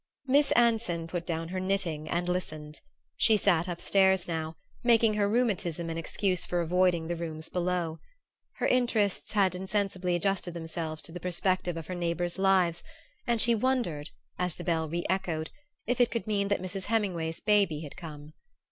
Miss Anson put down her knitting and listened. She sat up stairs now, making her rheumatism an excuse for avoiding the rooms below. Her interests had insensibly adjusted themselves to the perspective of her neighbors' lives, and she wondered as the bell re echoed if it could mean that Mrs. Heminway's baby had come.